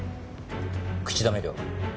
口止め料。